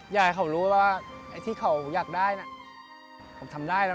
อยากให้เขารู้ว่าไอ้ที่เขาอยากได้น่ะผมทำได้แล้ว